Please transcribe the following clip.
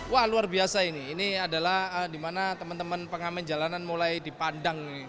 wah luar biasa ini ini adalah di mana teman teman pengamen jalanan mulai dipandang